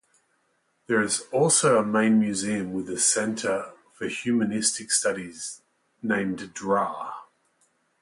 There is also a main museum with a center for humanistic studies named Dra.